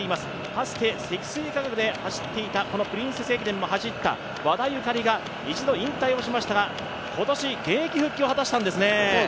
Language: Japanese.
かつて積水化学で走っていた、このプリンセス駅伝も走った和田優香里が一度引退をしましたが、今年現役復帰を果たしたんですね。